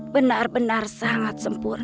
benar benar sangat sempurna